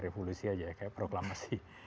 revolusi aja kayak proklamasi